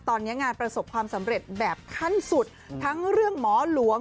ตอนนี้งานประสบความสำเร็จแบบขั้นสุดทั้งเรื่องหมอหลวง